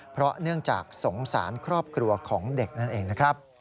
เพราะเนื่องจากสงสารครอบครัวของเด็กนั่นเองนะครับ